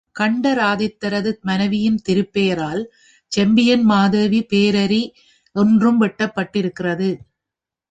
கண்டராதித்தரது மனைவியின் திருப் பெயரால் செம்பியன் மாதேவிப் பேரேரி ஒன்றும் வெட்டப்பட்டிருக்கிறது.